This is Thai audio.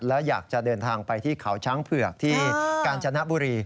และอยากจะเดินทางไปที่เขาช้างเผือกที่กาญจนบุรี